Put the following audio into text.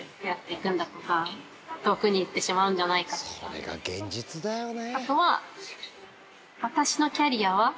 それが現実だよね。